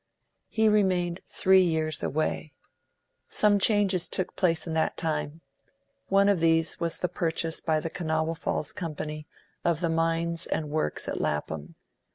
He remained three years away. Some changes took place in that time. One of these was the purchase by the Kanawha Falls Company of the mines and works at Lapham.